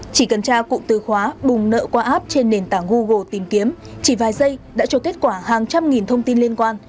chỉ cần tra cụm từ khóa bùng nợ qua app trên nền tảng google tìm kiếm chỉ vài giây đã cho kết quả hàng trăm nghìn thông tin liên quan